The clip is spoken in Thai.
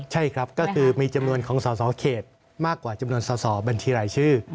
ใช่ครับก็คือมีจำนวนของสสเข็ดมากกว่าจำนวนสสบรชื่อ